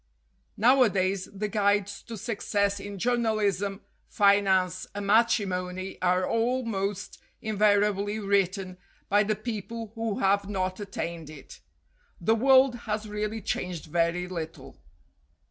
Nowadays the guides to success in journalism, finance, and matrimony are al most invariably written by the people who have not attained it. The world has really changed very little.